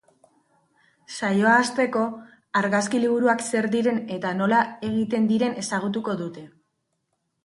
Saioa hasteko, argazki liburuak zer diren eta nola egiten diren ezagutuko dute.